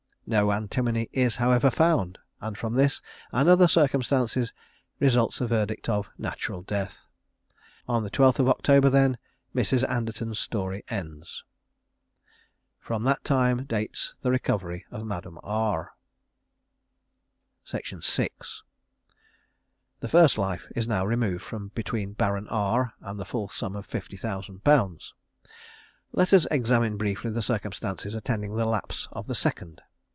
No antimony is, however, found; and from this and other circumstances, results a verdict of "Natural Death." On the 12th October, then, Mrs. Anderton's story ends. From that time dates the recovery of Madame R. The first life is now removed from between Baron R and the full sum of 50,000_l_ (VI.). Let us examine briefly the circumstances attending the lapse of the second.